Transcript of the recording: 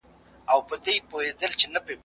عزتمن سړی تل د نېکۍ په لاره ځي.